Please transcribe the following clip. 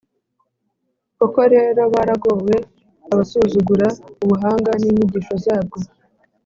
Koko rero, baragowe abasuzugura ubuhanga n’inyigisho zabwo;